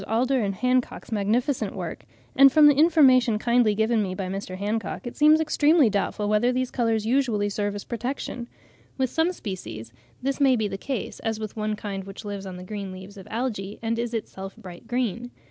Alder and Hancock's magnificent work; and from information kindly given me by Mr. Hancock, it seems extremely doubtful whether these colours usually serve as a protection. With some species this may be the case, as with one kind which lives on the green leaves of algae, and is itself bright green.